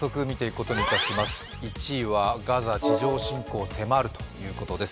１位はガザ地上侵攻迫るということです。